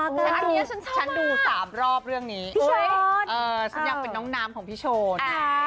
อันนี้ฉันชอบมากฉันดู๓รอบเรื่องนี้พี่โชนเออฉันยังเป็นน้องน้ำของพี่โชน